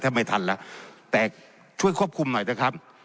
ไม่ทันแล้วแต่ช่วยควบคุมหน่อยเถอะครับ